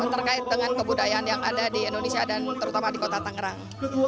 terkait dengan kebudayaan yang ada di indonesia dan terutama di kota tangerang